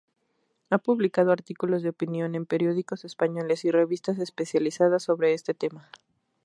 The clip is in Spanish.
Ha publicado artículos de opinión en periódicos españoles y revistas especializadas sobre este tema.